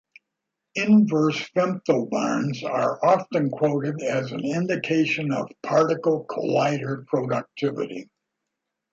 Inverse femtobarns are often quoted as an indication of particle collider productivity.